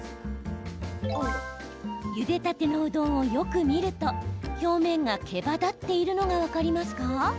ゆでたてのうどんをよく見ると表面が、けばだっているのが分かりますか？